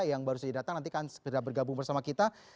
yang baru saja datang nanti akan segera bergabung bersama kita